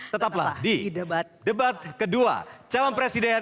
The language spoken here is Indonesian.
tetaplah di debat kedua calon presiden dua ribu sembilan belas